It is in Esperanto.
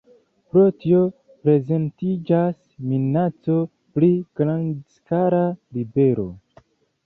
Pro tio prezentiĝas minaco pri grandskala ribelo.